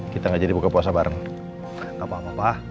kamu lurus kesana